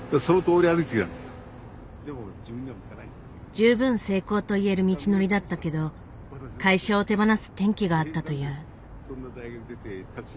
十分成功といえる道のりだったけど会社を手放す転機があったという。